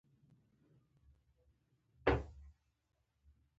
فصلونه د ځمکې د کجوالي له امله دي.